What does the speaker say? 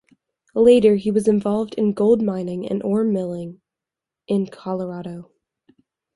Later he was involved in gold mining and ore milling in Colorado.